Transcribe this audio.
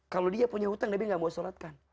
kalau dia punya hutang nabi tidak mau menyulatkan